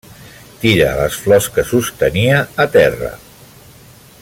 Tira les flors que sostenia a terra.